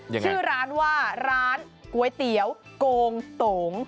ชื่อร้านว่าร้านก๋วยเตี๋ยวโกงโตง